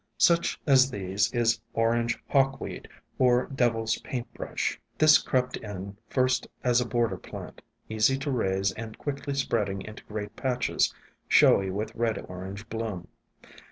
Such as these is Orange Hawkweed, or Devil's Paint Brush. This crept in, first as a bor der plant, easy to raise and quickly spreading into great patches, showy with red orange bloom.